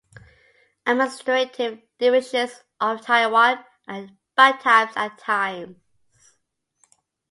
Administrative divisions of Taiwan by types and times.